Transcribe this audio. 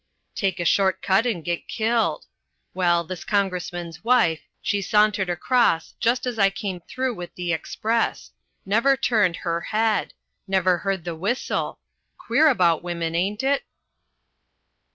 Take a short cut and get killed. Well, this congressman's wife, she sauntered across just as I came through with the express. Never turned her head. Never heard the whistle. Queer about women, ain't it?"